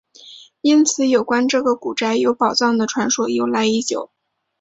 因此有关这个古宅有宝藏的传说由来已久。